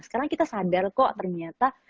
karena kita sadar kok ternyata